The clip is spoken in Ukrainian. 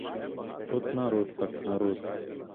От народ так народ!